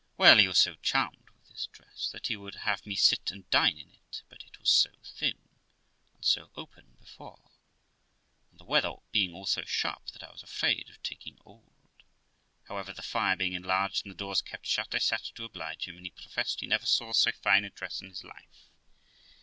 Well, he was so charmed with this dress that he would have me sit and dine in it; but it was so thin, and so open before, and the weather being also sharp, that I was afraid of taking old ; however, the fire being enlarged and the doors kept shut, I sat to oblige him, and he professed he never saw so fine a dress in his life.